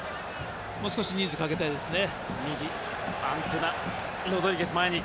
もう少し人数をかけたいですね。